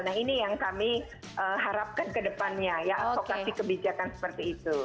nah ini yang kami harapkan kedepannya ya advokasi kebijakan seperti itu